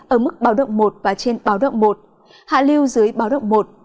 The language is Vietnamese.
ở mức báo động một và trên báo động một hạ lưu dưới báo động một